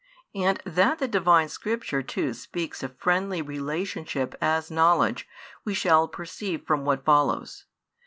And that the Divine Scripture too speaks of friendly relationship as knowledge, we shall perceive from what follows.